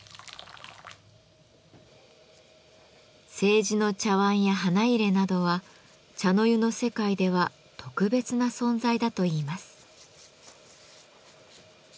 青磁の茶碗や花入などは茶の湯の世界では特別な存在だといいます。